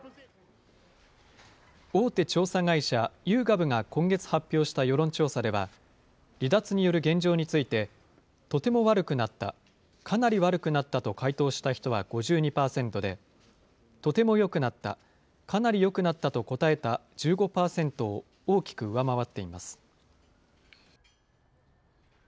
大手調査会社、ユーガブが今月発表した世論調査では、離脱による現状について、とても悪くなった、かなり悪くなったと回答した人は５２％で、とてもよくなった、かなりよくなったと答えた１５％を大きく上回っています。